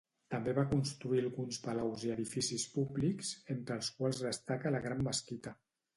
També va construir alguns palaus i edificis públics, entre els quals destaca la gran mesquita.